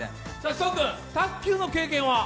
志尊君、卓球の経験は？